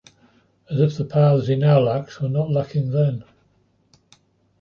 As if the power that he now lacks were not lacking then!